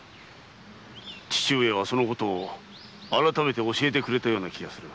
父上はそのことを改めて教えてくれた気がする。